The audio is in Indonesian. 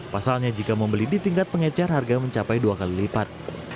pasalnya jika membeli di tingkat pengecar harga mencapai dua kali lipat